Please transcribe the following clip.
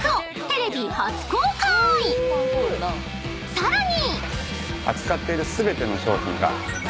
［さらに］